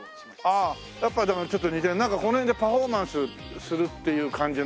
ああやっぱだからちょっとこの辺でパフォーマンスするっていう感じのあれがね。